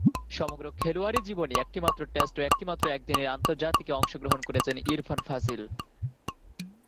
সমগ্র খেলোয়াড়ী জীবনে একটিমাত্র টেস্ট ও একটিমাত্র একদিনের আন্তর্জাতিকে অংশগ্রহণ করেছেন ইরফান ফাজিল।